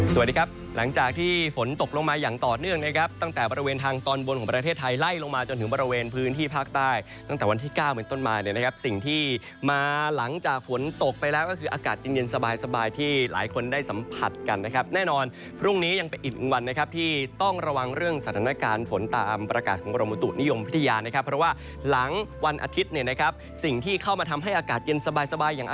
สวัสดีครับหลังจากที่ฝนตกลงมาอย่างต่อเนื่องนะครับตั้งแต่ประเวณทางตอนบนของประเทศไทยไล่ลงมาจนถึงประเวณพื้นที่ภาคใต้ตั้งแต่วันที่ก้าวเป็นต้นมาเนี่ยนะครับสิ่งที่มาหลังจากฝนตกไปแล้วก็คืออากาศเย็นเย็นสบายสบายที่หลายคนได้สัมผัสกันนะครับแน่นอนพรุ่งนี้ยังเป็นอีกวันนะครับที่ต้อง